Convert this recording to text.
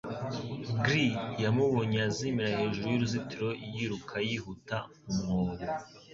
Grey yamubonye azimira hejuru y'uruzitiro yiruka yihuta mu mwobo